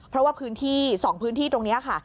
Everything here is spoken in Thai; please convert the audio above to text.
เพราะว่าพื้นที่๒พื้นที่ตรงนี้ค่ะ